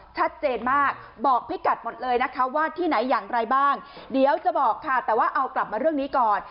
ชัดเจนมากบอกพี่กัดหมดเลยนะคะว่าที่ไหนอย่างไรบ้างเดี๋ยวจะบอกค่ะแต่ว่าเอากลับมาเรื่องนี้ก่อน